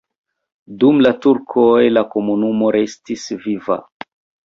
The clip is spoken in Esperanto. Dum la turkoj la komunumo restis viva.